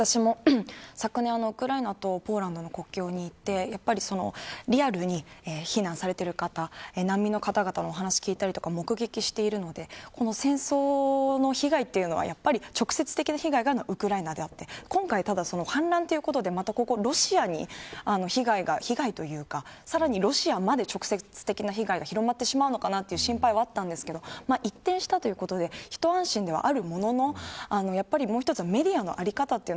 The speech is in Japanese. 私も昨年ウクライナとポーランドの国境に行ってリアルに避難されている方難民の方々の話を聞いたりとか目撃しているのでこの戦争の被害というのは直接的な被害がウクライナにあって今回、反乱ということでまたロシアに被害というかさらにロシアにまで直接的被害が広まってしまうのかなという心配はあったんですけど一転したということでひと安心ではある